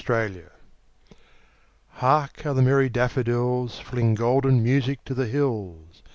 Spring HARK how the merry daffodils, Fling golden music to the hills!